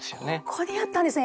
ここにあったんですね。